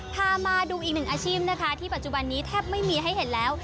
พามาดูอีกหนึ่งอาชีพนะคะที่ปัจจุบันนี้แทบไม่มีให้เห็นแล้ว